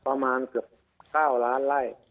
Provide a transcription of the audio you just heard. ประมาณเกือบ๙ล้านไล่